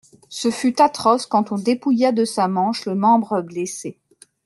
Ce fut atroce quand on dépouilla de sa manche le membre blessé.